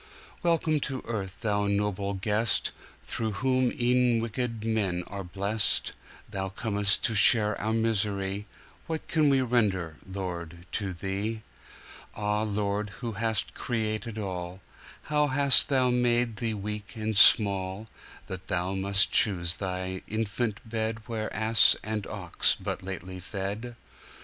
Welcome to earth, Thou noble guest, Through whom e'en wicked men are blest! Thou com'st to share our misery, What can we render, Lord, to Thee! Ah, Lord, who hast created all, How hast Thou made Thee weak and small, That Thou must choose Thy infant bedWhere ass and ox but lately fed!